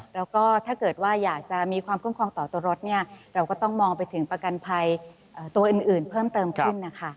แล้วก็ถ้าเกิดว่าอยากจะมีความคุ้มครองต่อตัวรถเนี่ยเราก็ต้องมองไปถึงประกันภัยตัวอื่นเพิ่มเติมขึ้นนะคะ